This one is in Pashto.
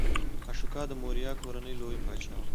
اشوکا د موریا کورنۍ لوی پاچا و.